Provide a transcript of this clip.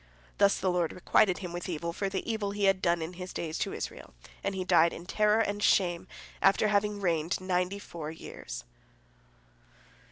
Thus the Lord requited him with evil for the evil he had done in his days to Israel, and he died in terror and shame after having reigned ninety four years.